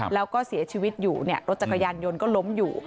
แล้วก็เสียชีวิตอยู่รถจักรยานยนต์ก็ล้มอยู่